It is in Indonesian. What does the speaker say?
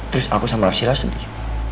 terus aku sama arsila sedih